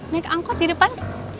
naik angkot di depan